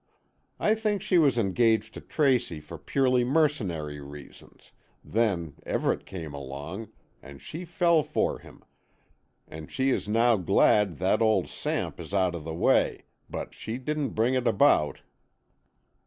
I think she was engaged to Tracy for purely mercenary reasons, then Everett came along, and she fell for him, and she is now glad that old Samp is out of the way, but she didn't bring it about."